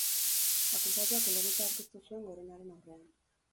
Akusatuak helegitea aurkeztu zuen Gorenaren aurrean.